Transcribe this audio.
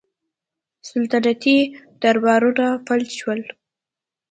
سلطنتي دربارونه فلج شول